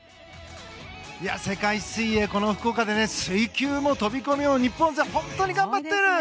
世界水泳この福岡で水球も飛込も日本勢、本当に頑張ってる！